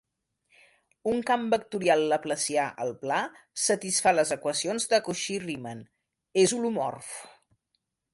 Un camp vectorial laplacià al pla satisfà les equacions de Cauchy-Riemann: és holomorf.